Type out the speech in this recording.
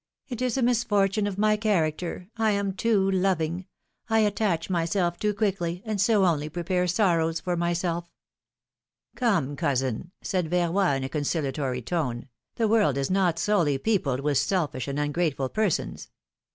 It is a misfortune of my character ; I am too loving ; I attach myself too quickly, and so only prepare sorrows for myself.^^ ^^Come, cousin, said Verroy, in a conciliatory tone, the world is not solely peopled with selfish and ungrateful persons."